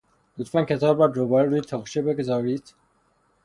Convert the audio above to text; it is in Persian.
لطفا کتاب را دوباره روی تاقچه بگذارید؟